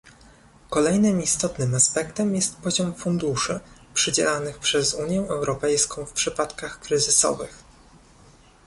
Kolejnym istotnym aspektem jest poziom funduszy przydzielanych przez Unię Europejską w przypadkach kryzysowych